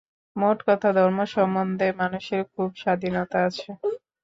মোট কথা ধর্ম সম্বন্ধে মানুষের খুব স্বাধীনতা আছে।